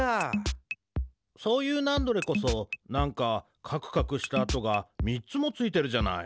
そういうナンドレこそなんかかくかくした跡がみっつもついてるじゃない。